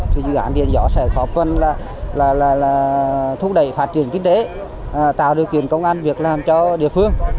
thì dự án điện gió sẽ góp phần là thúc đẩy phát triển kinh tế tạo điều kiện công an việc làm cho địa phương